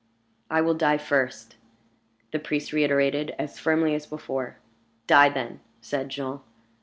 "I will die first," the priest reiterated, as firmly as before. "Die, then!" said Jean.